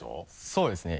そうですね